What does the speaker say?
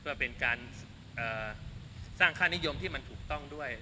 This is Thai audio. เพื่อเป็นการสร้างค่านิยมที่มันถูกต้องด้วย